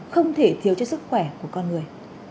không thể thiếu cho sức khỏe của con người